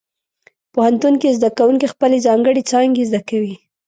پوهنتون کې زده کوونکي خپلې ځانګړې څانګې زده کوي.